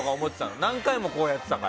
何回もこうやってたから。